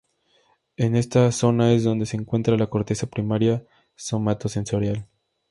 En esta zona es donde se encuentra la corteza primaria somatosensorial.